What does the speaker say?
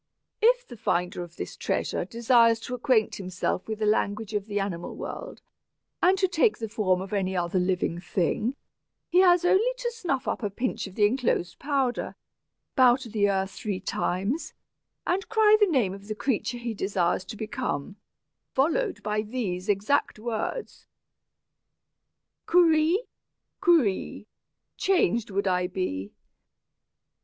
"If the finder of this treasure desires to acquaint himself with the language of the animal world, and to take the form of any other living thing, he has only to snuff up a pinch of the enclosed powder, bow to the earth three times, and cry the name of the creature he desires to become, followed by these exact words: 'Kurri kuree, Changed would I be.'